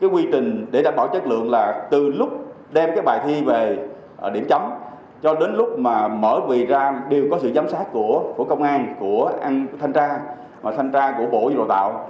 quy trình để đảm bảo chất lượng là từ lúc đem các bài thi về điểm chấm cho đến lúc mở vị ra đều có sự giám sát của công an của thanh tra thanh tra của bộ giáo dục và đào tạo